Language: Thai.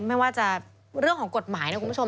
ไม่ว่าจะเรื่องของกฎหมายนะคุณผู้ชม